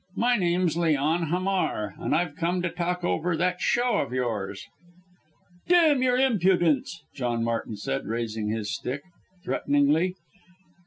"My name's Leon Hamar, and I've come to talk over that show of yours." "D n your impudence!" John Martin said, raising his stick threateningly.